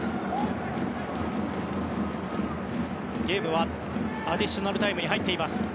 ゲームはアディショナルタイムに入っています。